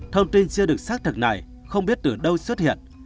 thông tin chưa được xác thực này không biết từ đâu xuất hiện